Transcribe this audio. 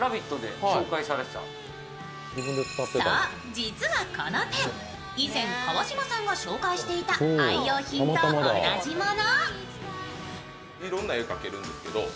実はこのペン、以前川島さんが紹介していた愛用のペンと同じもの。